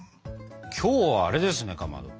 今日はあれですねかまど。